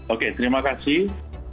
oke terima kasih